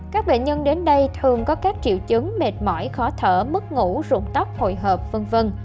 các bệnh nhân đến đây thường có các triệu chứng mệt mỏi khó thở mất ngủ tóc hồi hộp v v